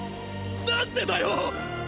何でだよ